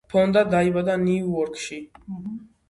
ფონდა დაიბადა ნიუ-იორკში.